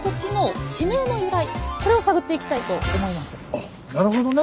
あっなるほどね。